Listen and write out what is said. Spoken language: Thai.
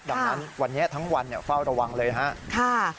ดังนั้นวันนี้ทั้งวันเนี่ยเฝ้าระวังเลยฮะค่ะ